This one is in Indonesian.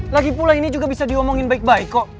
lagipula ini juga bisa diomongin baik baik kok